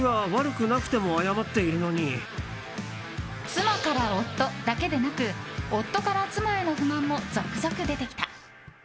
妻から夫だけでなく夫から妻への不満も続々出てきた。